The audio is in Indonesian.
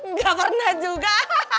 nggak pernah juga